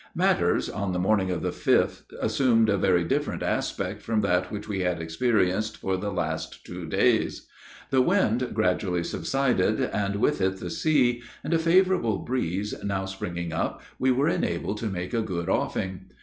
Matters, on the morning of the 5th, assumed a very different aspect from that which we had experienced for the last two days; the wind gradually subsided, and, with it the sea, and a favorable breeze now springing up, we were enabled to make a good offing.